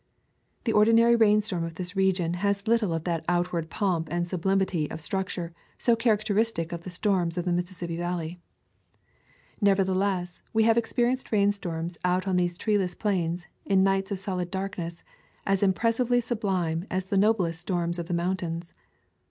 The ordinary rainstorm of this region has little of that outward pomp and sublimity of structure so characteristic of the storms of the Mississippi Valley. Nevertheless, we have expe rienced rainstorms out on these treeless plains, in nights of solid darkness, as impressively sublime as the noblest storms of the mountains.